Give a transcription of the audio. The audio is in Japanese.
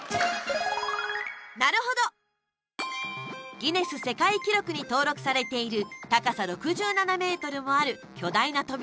ギネス世界記録に登録されている高さ６７ｍもある巨大な扉。